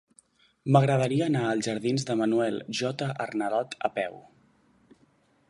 M'agradaria anar als jardins de Manuel J. Arnalot a peu.